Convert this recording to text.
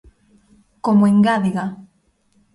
Como engádega.